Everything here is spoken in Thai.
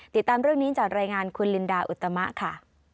ติดตามเรื่องนี้จากรายงานคุณลินดาอุตมะค่ะ